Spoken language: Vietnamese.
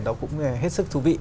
nó cũng hết sức thú vị